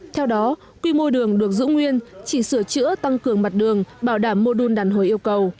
theo đó quy mô đường được giữ nguyên chỉ sửa chữa tăng cường mặt đường bảo đảm mô đun đàn hồi yêu cầu